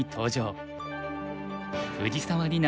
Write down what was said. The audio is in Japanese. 藤沢里菜